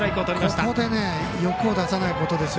ただここで欲を出さないことですよ。